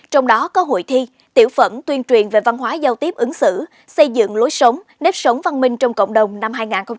trong đó có hội thi tiểu phẩm tuyên truyền về văn hóa giao tiếp ứng xử xây dựng lối sống nếp sống văn minh trong cộng đồng năm hai nghìn hai mươi